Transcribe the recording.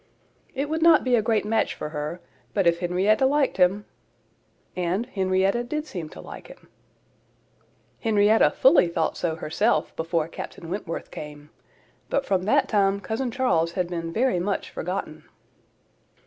"It would not be a great match for her; but if Henrietta liked him,"—and Henrietta did seem to like him. Henrietta fully thought so herself, before Captain Wentworth came; but from that time Cousin Charles had been very much forgotten.